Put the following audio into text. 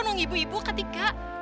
tunggu ibu ibu ketika